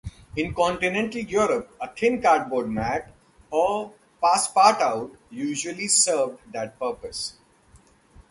In continental Europe, a thin cardboard mat or "passepartout" usually served that purpose.